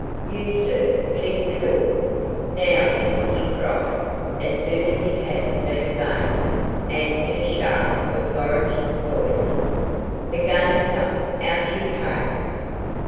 "You, sir, keep the door. Now, then," he cried, as soon as he had been obeyed, and in a sharp, authoritative voice. "The game's up. Out you came."